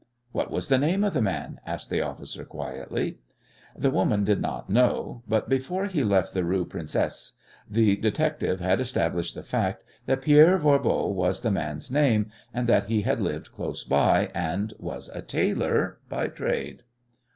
"What was the name of the man?" asked the officer quietly. The woman did not know; but before he left the Rue Princesse the detective had established the facts, that Pierre Voirbo was the man's name, and that he had lived close by, and was a tailor by trade.